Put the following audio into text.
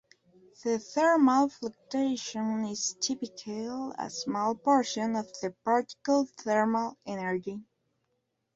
The thermal fluctuation is typically a small portion of the particle thermal energy.